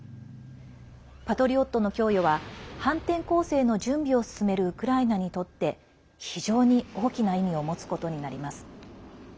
「パトリオット」の供与は反転攻勢の準備を進めるウクライナにとって非常に大きな意味を持つことになります。